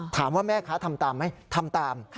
ถามว่าแม่ค้าทำตามไหมทำตาม